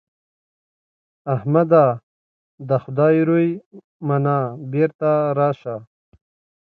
احمده! د خدای روی منه؛ بېرته راشه.